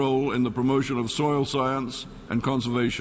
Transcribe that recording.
อัศวินธรรมชาติอัศวินธรรมชาติ